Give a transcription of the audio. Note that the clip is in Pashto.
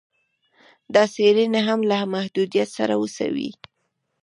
دا څېړني هم له محدویت سره وسوې